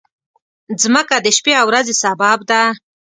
مځکه د شپې او ورځې سبب ده.